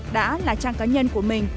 đã là trang cá nhân của mình